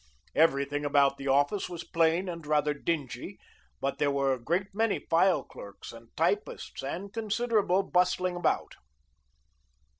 Everything about the office was plain and rather dingy, but there were a great many file clerks and typists and considerable bustling about.